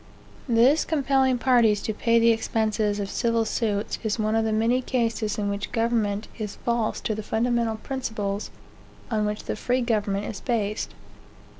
This compelling parties to pay the expenses of civil suits is one of the many cases in which government is false to the fundamental principles on which free government is based.